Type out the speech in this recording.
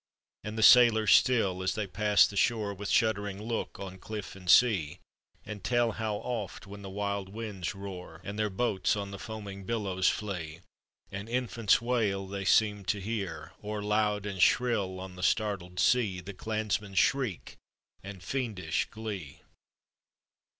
And the sailors still as they pass the shore With shuddering look on cliff and sea, And tell how oft when the wild wind* roar, And their boats on the foaming billowi flee, ^ An infant's wail they seem to hear; Or, loud and shriil on the startled sea, The clansman's shriek and fiendish glee.